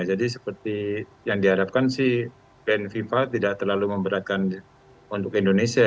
jadi seperti yang diharapkan si band fifa tidak terlalu memberatkan untuk indonesia